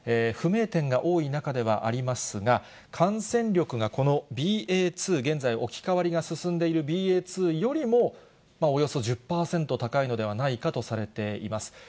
不明点が多い中ではありますが、感染力がこのＢＡ．２、現在置き換わりが進んでいるＢＡ．２よりも、およそ１０％高いのではないかとされています。